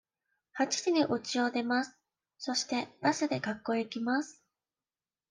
八時にうちを出ます。そして、バスで学校へ行きます。